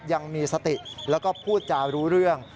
ยังมีสติแล้วก็พูดจารู้เรื่อง